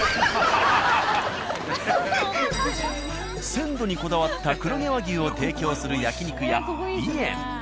鮮度にこだわった黒毛和牛を提供する焼肉屋「美苑」。